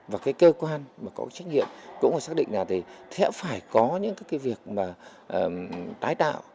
và cái cơ quan mà có trách nhiệm cũng phải xác định là thì sẽ phải có những cái việc mà tái tạo